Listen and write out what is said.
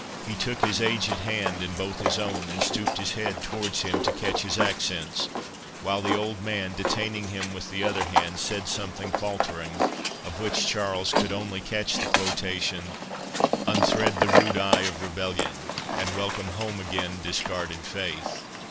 He took his aged hand in both his own, and stooped his head towards him to catch his accents, while the old man, detaining him with the other hand, said something faltering, of which Charles could only catch the quotation— "Unthread the rude eye of rebellion, And welcome home again discarded faith."